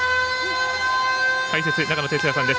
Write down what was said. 解説、長野哲也さんです。